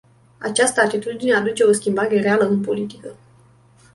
Această atitudine aduce o schimbare reală în politică.